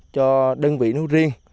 cho đơn vị nước riêng